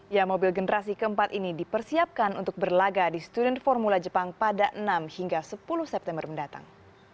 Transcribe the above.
ya mobil generasi keempat ini dipersiapkan untuk berlaga di student formula jepang pada enam hingga sepuluh september mendatang